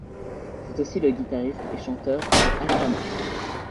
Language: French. C'est aussi le guitariste et chanteur de Altamont.